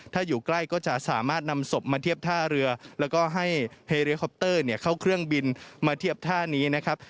ถ้าอยู่ใกล้ก็จะสามารถนำศพมาเทียบท่าเรือแล้วก็ให้เฮริคอปเตอร์เข้าเครื่องบินมาเทียบท่านี้นะครับ